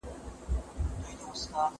ولسوالي روغتونونه کوم امکانات لري؟